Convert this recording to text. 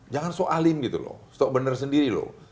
jangan sok alim gitu loh sok benar sendiri loh